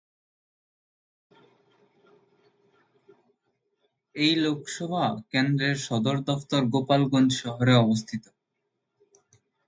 এই লোকসভা কেন্দ্রের সদর দফতর গোপালগঞ্জ শহরে অবস্থিত।